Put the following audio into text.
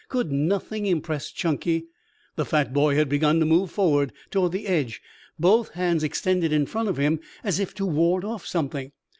Could nothing impress Chunky? The fat boy had begun to move forward toward the edge, both hands extended in front of him as to ward off something.